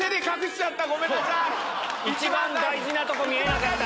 一番大事なとこ見えなかった。